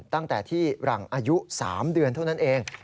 ตั้งแต่ที่หลังอายุ๓เดือนเท่านั้นเอง